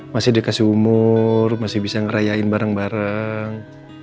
masih dikasih umur masih bisa ngerayain bareng bareng